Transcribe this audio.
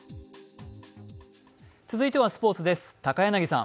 続いてはスポーツです。